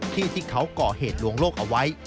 ที่เขาก่อเหตุลวงโลกเอาไว้